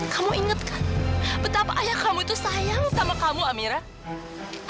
kamu inget kan betapa ayah kamu itu sayang sama kamu amirah